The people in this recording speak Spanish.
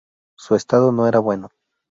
Su estado no era bueno.